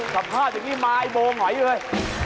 สัมภาษณ์ถึงที่มายโบนไหวเลย